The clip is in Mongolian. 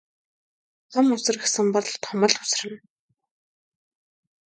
Том үсэр гэсэн бол том л үсэрнэ.